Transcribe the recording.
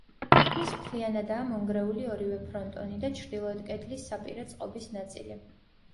თითქმის მთლიანადაა მონგრეული ორივე ფრონტონი და ჩრდილოეთ კედლის საპირე წყობის ნაწილი.